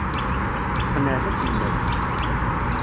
Tesseqneɛ taselmadt.